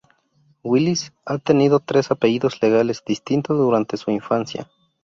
Willis ha tenido tres apellidos legales distintos durante su infancia.